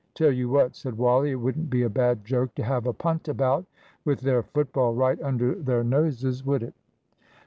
"Tell you what," said Wally, "it wouldn't be a bad joke to have a punt about with their football right under their noses, would it?"